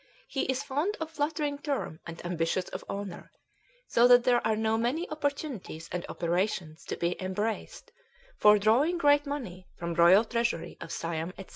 He is fond of flattering term and ambitious of honor, so that there are now many opportunities and operations to be embraced for drawing great money from Royal Treasury of Siam, &c.